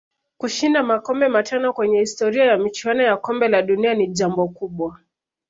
Kushinda makombe matano kwenye historia ya michuano ya kombe la dunia ni jambo kubwa